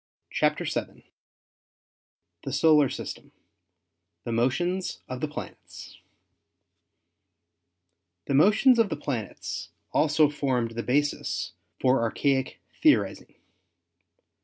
CHAPTER VII THE SOLAR SYSTEM — THE MOTIONS OF THE PLANETS The motions of the planets also formed the basis for archaic theorizing.